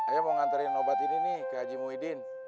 ayo mau nganterin obat ini nih ke haji muhyiddin